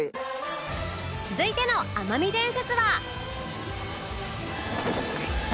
続いての天海伝説は